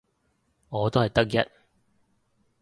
我都係得一